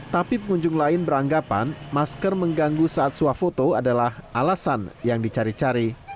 tapi pengunjung lain beranggapan masker mengganggu saat suah foto adalah alasan yang dicari cari